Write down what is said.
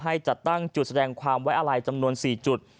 จัดตั้งจุดแสดงความไว้อะไรจำนวน๔จุด